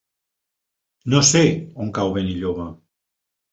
No sé on cau Benilloba.